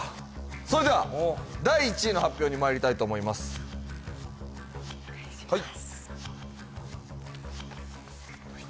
それでは第１位の発表にまいりたいと思いますお願いします